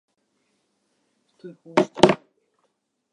挨拶は大切です。